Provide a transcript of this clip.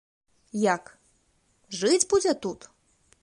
Як, жыць будзе тут?